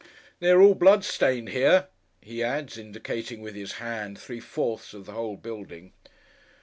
'They are all blood stained here,' he adds, indicating, with his hand, three fourths of the whole building.